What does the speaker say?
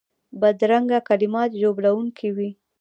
بدرنګه کلمات ژوبلونکي وي